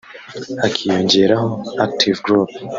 hakiyongeraho; Active Group